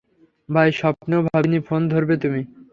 ভাই, স্বপ্নেও ভাবিনি ফোন ধরবে তুমি।